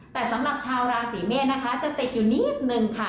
แต่สำหรับชาวราศีเมษนะคะจะติดอยู่นิดนึงค่ะ